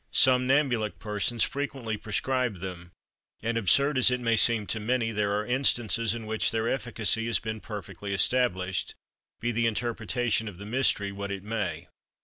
Somnambulic persons frequently prescribe them; and absurd as it may seem to many, there are instances in which their efficacy has been perfectly established, be the interpretation of the mystery what it may.